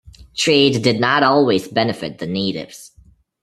Trade did not always benefit the Natives.